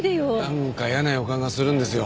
なんか嫌な予感がするんですよ。